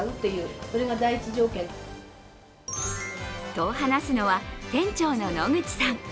と、話すのは店長の野口さん。